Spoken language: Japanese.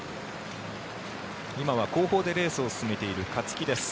今は後方でレースを進めている勝木です。